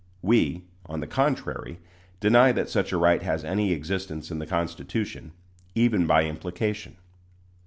We, on the contrary, deny that such a right has any existence in the Constitution, even by implication.